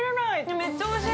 めっちゃおいしい。